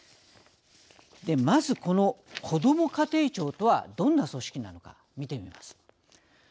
まず、こども家庭庁とはどんな組織なのか見てみます。